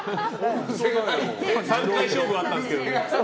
３回勝負あったんですけどね。